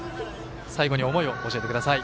最後に思いを教えてください。